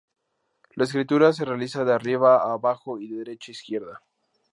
La escritura se realiza de arriba a abajo y de derecha a izquierda.